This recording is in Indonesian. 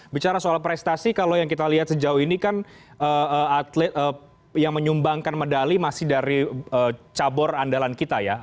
bicara soal prestasi kalau yang kita lihat sejauh ini kan atlet yang menyumbangkan medali masih dari cabur andalan kita ya